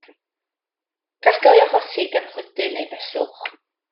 Gall gael ei achosi gan chwydu neu beswch.